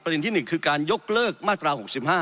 ที่๑คือการยกเลิกมาตรา๖๕